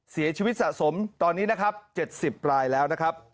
เสียชีวิตสะสมตอนนี้๗๐รายแล้ว